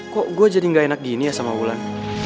kok gue jadi gak enak gini ya sama wulan